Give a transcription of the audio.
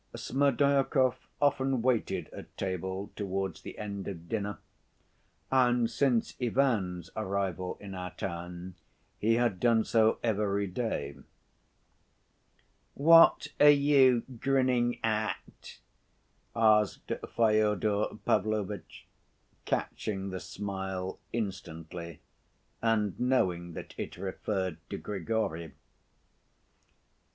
Smerdyakov often waited at table towards the end of dinner, and since Ivan's arrival in our town he had done so every day. "What are you grinning at?" asked Fyodor Pavlovitch, catching the smile instantly, and knowing that it referred to Grigory.